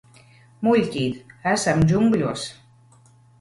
Muļķīt, esam džungļos.